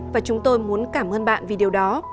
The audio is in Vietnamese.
và chúng tôi muốn cảm ơn bạn vì điều đó